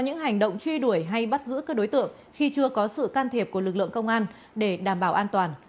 những hành động truy đuổi hay bắt giữ các đối tượng khi chưa có sự can thiệp của lực lượng công an để đảm bảo an toàn